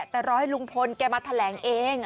แต่รอให้ลุงพลแกมาแถลงเอง